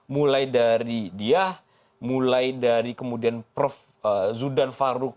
mulai dari dia mulai dari kemudian prof zudan farouk